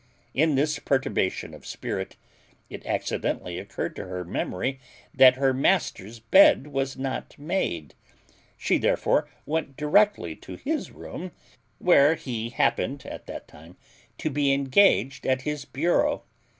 In this perturbation of spirit, it accidentally occurred to her memory that her master's bed was not made; she therefore went directly to his room, where he happened at that time to be engaged at his bureau.